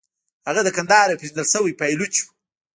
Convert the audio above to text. هغه د کندهار یو پېژندل شوی پایلوچ و.